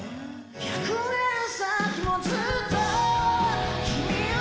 「１００年先もずっと君をみてたいの！！」